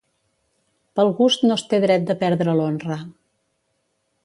Pel gust no es té dret de perdre l'honra.